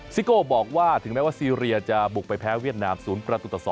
ซิโก้บอกว่าถึงแม้ว่าซีเรียจะบุกไปแพ้เวียดนาม๐ประตูต่อ๒